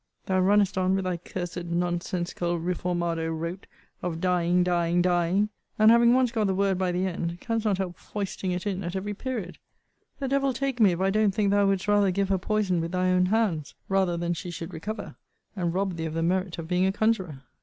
Thou runnest on with thy cursed nonsensical reformado rote, of dying, dying, dying! and, having once got the word by the end, canst not help foisting it in at every period! The devil take me, if I don't think thou wouldst rather give her poison with thy own hands, rather than she should recover, and rob thee of the merit of being a conjurer!